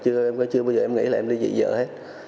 chưa em có chưa bao giờ em nghĩ là em lý dị vợ hết